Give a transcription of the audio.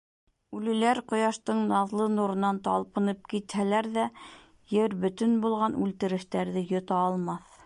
Үлеләр ҡояштың наҙлы нурынан талпынып китһәләр ҙә, ер бөтөн булған үлтерештәрҙе йота алмаҫ.